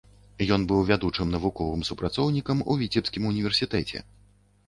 Ён быў вядучым навуковым супрацоўнікам у віцебскім універсітэце.